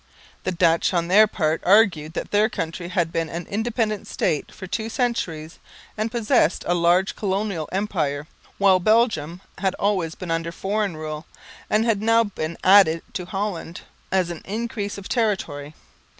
The Dutch on their part argued that their country had been an independent State for two centuries and possessed a large colonial empire, while Belgium had always been under foreign rule, and had now been added to Holland "as an increase of territory."